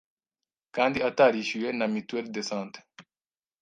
kandi atarishyuye na Mituelle de Sante.